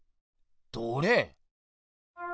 どれ？